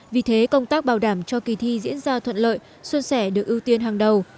vì thế công tác bảo đảm cho kỳ thi diễn ra thuận lợi xuân sẻ được ưu tiên hàng đầu